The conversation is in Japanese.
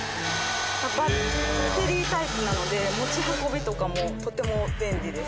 バッテリータイプなので持ち運びとかもとっても便利です。